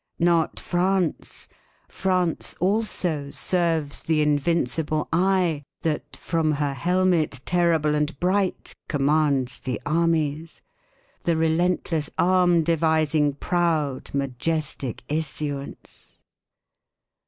37 Not France! France also serves the invincible eye. That, from her helmet terrible and bright. Commands the armies; the relentless arm. Devising proud, majestic issuance.